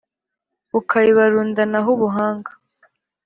ukabibarundanaho ubuhanga